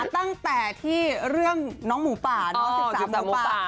ตั้งแต่ที่เรื่องน้องหมูป่าน้อง๑๓หมูป่า